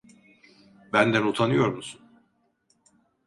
Benden utanıyor musun?